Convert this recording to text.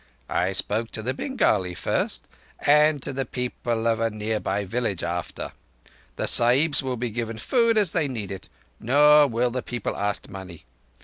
"I spoke to the Bengali first—and to the people of a near by village after. The Sahibs will be given food as they need it—nor will the people ask money.